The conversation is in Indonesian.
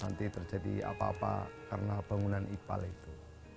nanti terjadi apa apa karena bangunan ipal itu